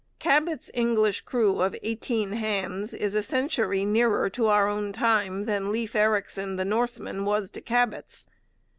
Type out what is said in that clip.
Cabot's English crew of eighteen hands is a century nearer to our own time than Leif Ericson the Norseman was to Cabot's.